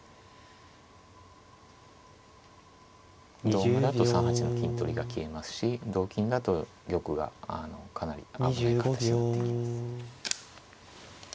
同馬だと３八の金取りが消えますし同金だと玉がかなり危ない形になっていきます。